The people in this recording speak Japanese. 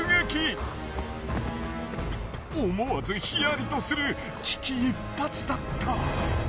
思わずヒヤリとする危機一髪だった。